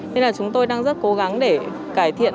nên là chúng tôi đang rất cố gắng để cải thiện